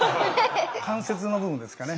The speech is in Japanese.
関節の部分ですかね？